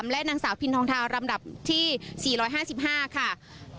และนางสาวพินทองทาวลำดับที่๔๕๕ค่ะ